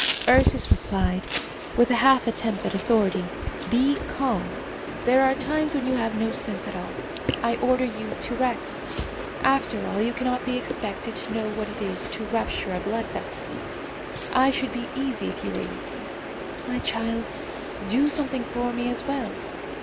Ursus replied, with a half attempt at authority, "Be calm. There are times when you have no sense at all. I order you to rest. After all, you cannot be expected to know what it is to rupture a blood vessel. I should be easy if you were easy. My child, do something for me as well.